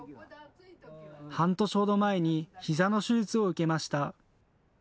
半年ほど前にひざの手術を受けました。